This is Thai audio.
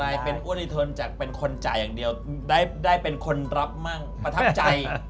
กลายเป็นอ้วนิเทิร์นจากเป็นคนจ่ายอย่างเดียวได้เป็นคนรับมั่งประทับใจ